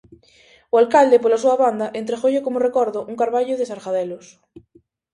O alcalde, pola súa banda, entregoulle como recordo un carballo de Sargadelos.